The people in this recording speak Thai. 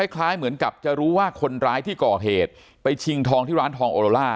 คล้ายเหมือนกับจะรู้ว่าคนร้ายที่ก่อเหตุไปชิงทองที่ร้านทองโอโลล่า